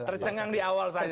tercengang di awal saja